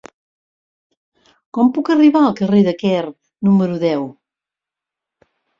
Com puc arribar al carrer de Quer número deu?